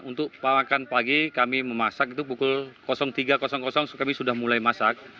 untuk makan pagi kami memasak itu pukul tiga kami sudah mulai masak